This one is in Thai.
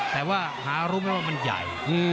แต่ว่าหารุมมันใหญ่